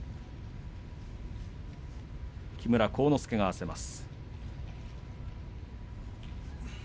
木村晃之助が合わせます。